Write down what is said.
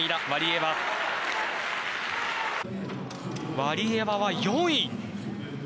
ワリエワは４位。